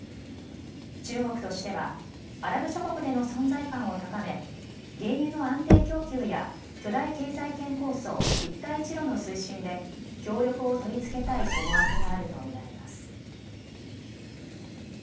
中国としてはアラブ諸国での存在感を高め原油の安定供給や巨大経済圏構想、一帯一路の推進で協力を取り付けたい思惑があると見られます。